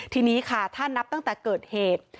ทีนี้ค่ะถ้านับตั้งแต่เกิดเหตุ